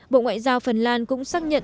bộ ngoại giao phần lan cũng xác nhận